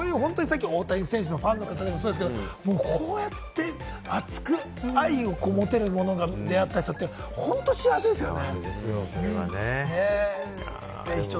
こういう大谷選手のファンの方もそうですけれども、こうやって、熱く愛を持てるものに出会った人って本当幸せですよね。